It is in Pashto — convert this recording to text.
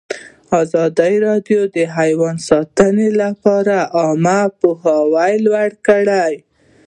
ازادي راډیو د حیوان ساتنه لپاره عامه پوهاوي لوړ کړی.